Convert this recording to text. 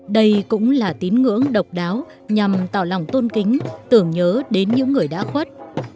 đây cũng là tín ngưỡng độc đáo nhằm tỏ lòng tôn kính tưởng nhớ đến những người đã khuất